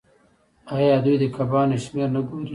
آیا دوی د کبانو شمیر نه ګوري؟